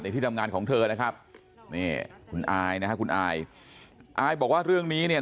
ที่ทำงานของเธอนะครับนี่คุณอายนะฮะคุณอายอายบอกว่าเรื่องนี้เนี่ย